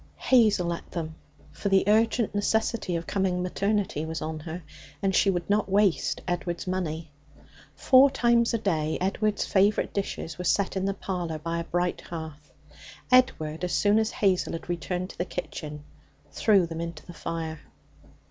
Hazel ate them, for the urgent necessity of coming maternity was on her, and she would not waste Edward's money. Four times a day Edward's favourite dishes were set in the parlour by a bright hearth. Edward, as soon as Hazel had returned to the kitchen, threw them into the fire.